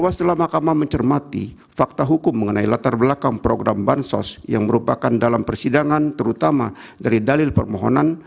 setelah mahkamah mencermati fakta hukum mengenai latar belakang program bansos yang merupakan dalam persidangan terutama dari dalil permohonan